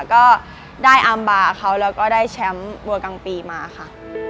ก็ได้อามบาร์เขาแล้วก็ได้แชมป์บัวกลางปีมาค่ะ